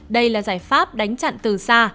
đây là giải pháp đánh chặn từ xa